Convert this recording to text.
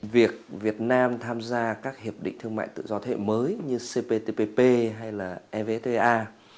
việc việt nam tham gia các hiệp định thương mại tự do thế hệ mới như cptpp hay evta